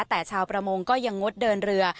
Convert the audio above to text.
แต่ชาวประมงก็ยังงดเดินเรือ